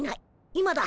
今だ。